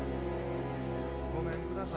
ごめんください。